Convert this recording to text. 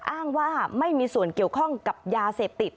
อ้างว่าไม่มีส่วนเกี่ยวข้องกับยาเสพติด